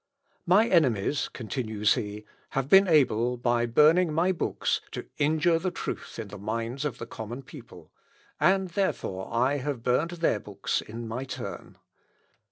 My enemies," continues he, "have been able, by burning my books, to injure the truth in the minds of the common people, and therefore I have burnt their books in my turn.